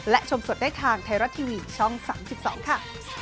และชมสดได้ทางไทยรัฐทีวีช่อง๓๒ค่ะ